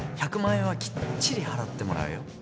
１００万円はきっちり払ってもらうよ。